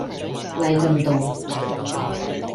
禮頓道